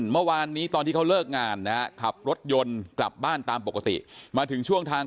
เมื่อวานนี้ตอนที่เขาเลิกงานนะฮะขับรถยนต์กลับบ้านตามปกติมาถึงช่วงทาง